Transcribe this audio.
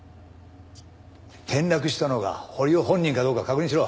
転落したのが堀尾本人かどうか確認しろ。